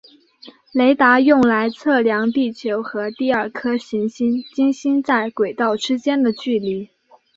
雷达用来测量地球和第二颗行星金星在轨道之间的距离。